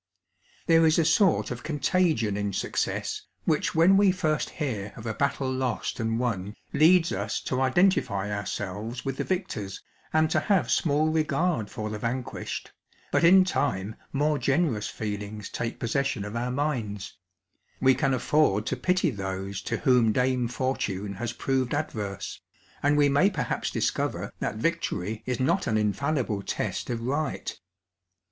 There is a sort of contagion in success, which when we first hear of a battle lost and won leads us to identify ourselves with the victors, and to have small regard for the vanquished, bat in time more generous feelings take possession of our minds ; we can afford to pity those to whom Dame Fortune has proved adverse; and we may perhaps discover that victory is not an infallible test of right.